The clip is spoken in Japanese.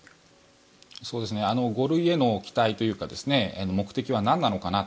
５類への期待というか目的はなんなのかなと。